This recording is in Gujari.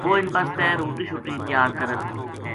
و ہ اِنھ بسطے روٹی شوٹی تیار کرے تھو